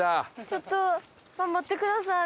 ちょっと頑張ってください